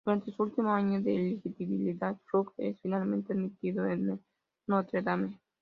Durante su último año de elegibilidad, Rudy es finalmente admitido en Notre Dame.